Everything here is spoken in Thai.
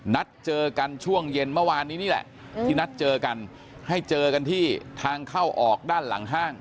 นัดเจอกันช่วงเย็นเมื่อวานนี้นี่แหละที่นัดเจอกันให้เจอกันที่ทางเข้าออกด้านหลังห้าง